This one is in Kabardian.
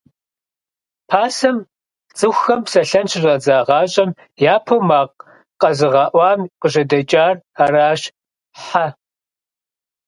Пасэм, цӀыхухэм псэлъэн щыщӀадзагъащӀэм, япэу макъ къэзыгъэӀуам къыжьэдэкӀар аращ – Хьэ.